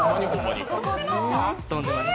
そー、飛んでました？